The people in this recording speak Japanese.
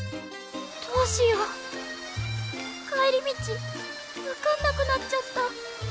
どうしよう帰り道分かんなくなっちゃった。